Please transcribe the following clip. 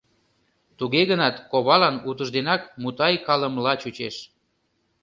Туге гынат ковалан утыжденак мутайкалымыла чучеш.